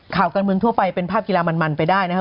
ข่าวการเมืองทั่วไปเป็นภาพกีฬามันไปได้นะครับ